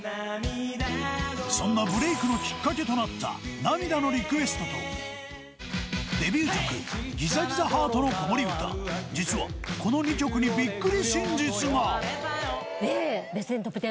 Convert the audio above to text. そんなブレークのきっかけとなった『涙のリクエスト』とデビュー曲『ギザギザハートの子守唄』実はこの２曲にびっくり真実が。